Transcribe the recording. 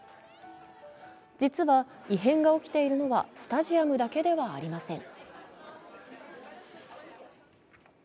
実は異変が起きているのはスタジアムだけではありません。